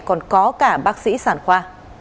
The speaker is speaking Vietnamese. còn có cả bác sĩ sản khoa